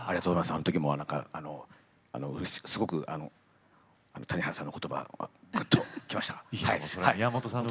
あのときも谷原さんのことばがっときました。